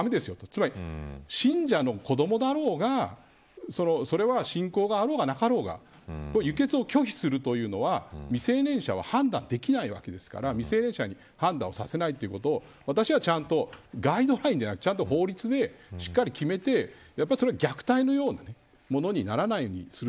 つまり、信者の子どもだろうがそれは信仰があろうがなかろうが輸血を拒否するというのは未成年者は判断できないわけですから未成年者に判断させないということを私はちゃんとガイドラインではなくて法律でしっかり決めて虐待のようなものにならないようにする。